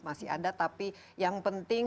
masih ada tapi yang penting